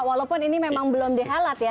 walaupun ini memang belum dihelat ya